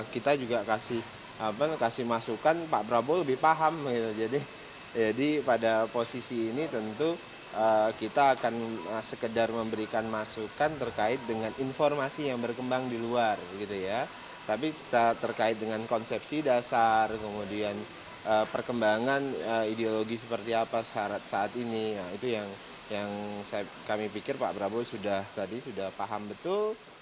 kemudian perkembangan ideologi seperti apa saat ini itu yang kami pikir pak prabowo sudah paham betul